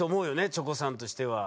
チョコさんとしては。